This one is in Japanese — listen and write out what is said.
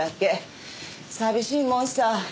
寂しいもんさ。